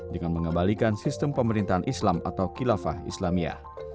dengan mengembalikan sistem pemerintahan islam atau kilafah islamia